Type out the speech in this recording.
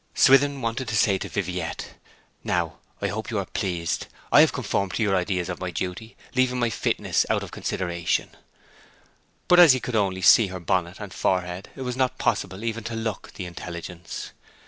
Swithin wanted to say to Viviette, 'Now I hope you are pleased; I have conformed to your ideas of my duty, leaving my fitness out of consideration;' but as he could only see her bonnet and forehead it was not possible even to look the intelligence.